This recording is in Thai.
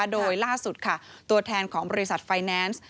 โดยล่าสุดค่ะตัวแทนของบริษัทไฟแนนซ์